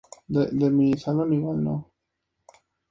Implica sostener los aprendizaje en base a los sentidos.